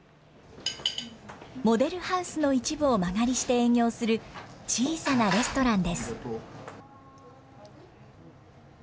モデルハウスの一部を間借りして営業する、小さなレストランです。